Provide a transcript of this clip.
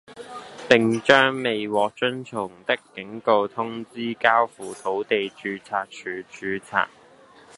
並將未獲遵從的警告通知交付土地註冊處註冊